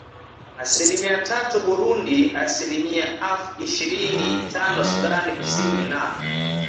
asilimia tatu Burundi asilimiaff ishirini na tano Sudan Kusini na